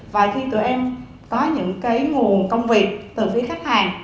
và khi tụi em có những cái nguồn công việc từ phía khách hàng